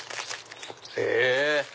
へぇ！